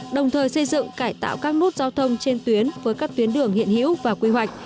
đồng thời xây dựng cải tạo các nút giao thông trên tuyến với các tuyến đường hiện hữu và quy hoạch